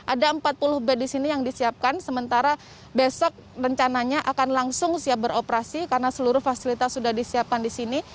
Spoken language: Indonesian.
ada empat puluh bed di sini yang disiapkan sementara besok rencananya akan langsung siap beroperasi karena seluruh fasilitas sudah disiapkan di sini